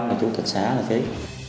là chủ tịch xã là ký